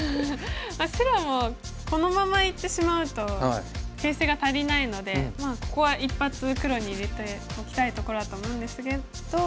白もこのままいってしまうと形勢が足りないのでここは一発黒に入れておきたいところだと思うんですけど。